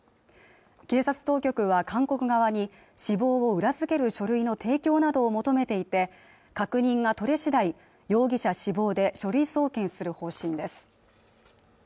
警察当局は韓国側に死亡を裏付ける書類の提供などを求めていて確認が取れ次第容疑者死亡で書類送検する方針です